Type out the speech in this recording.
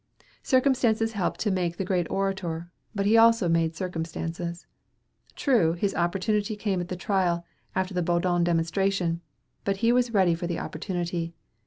Circumstances helped to make the great orator, but he also made circumstances. True, his opportunity came at the trial, after the Baudin demonstration, but he was ready for the opportunity.